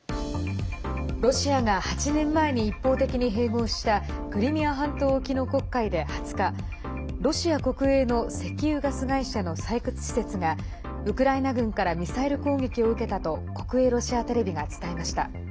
ロシアが８年前に一方的に併合したクリミア半島沖の黒海で２０日ロシア国営の石油ガス会社の採掘施設がウクライナ軍からミサイル攻撃を受けたと国営ロシアテレビが伝えました。